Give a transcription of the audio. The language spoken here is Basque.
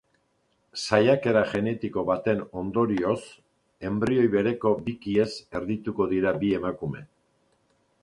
Saiakera genetiko baten ondorioz, enbrioi bereko bikiez erdituko dira bi emakume.